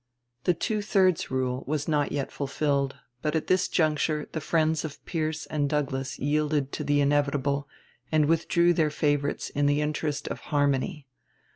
The "two thirds rule" was not yet fulfilled, but at this juncture the friends of Pierce and Douglas yielded to the inevitable, and withdrew their favorites in the interest of "harmony."